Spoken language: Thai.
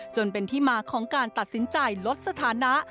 จนเป็นที่มาของการตัดสินใจลดสถานะ